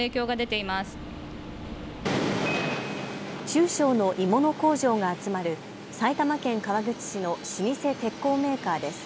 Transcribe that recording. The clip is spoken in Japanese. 中小の鋳物工場が集まる埼玉県川口市の老舗鉄鋼メーカーです。